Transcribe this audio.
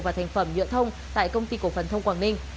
và thành phẩm nhựa thông tại công ty cổ phần thông quảng ninh